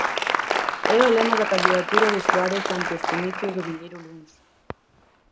É o lema da candidatura de Suárez ante os comicios do vindeiro luns.